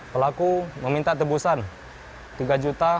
pelaku meminta tebusan tiga juta